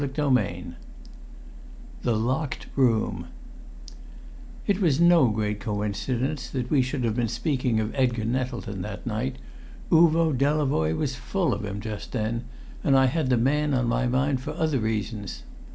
CHAPTER VII The Locked Room It was no great coincidence that we should have been speaking of Edgar Nettleton that night. Uvo Delavoye was full of him just then, and I had the man on my mind for other reasons.